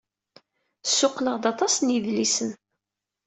Ssuqqleɣ-d aṭas n yedlisen.